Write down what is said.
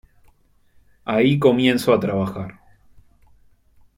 Ahí comienzo a trabajar".